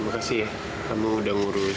makasih ya kamu udah ngurus